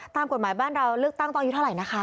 ตามกฎหมายบ้านเราเลือกตั้งตอนอายุเท่าไหร่นะคะ